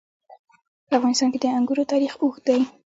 په افغانستان کې د انګور تاریخ اوږد دی.